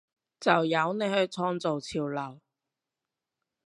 就由你去創造潮流！